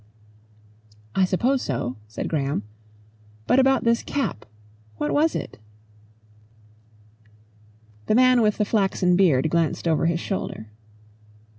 "I suppose so," said Graham. "But about this cap what was it?" The man with the flaxen beard glanced over his shoulder.